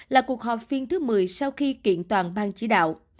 là cuộc họp phiên thứ một mươi sau khi kiện toàn ban chỉ đạo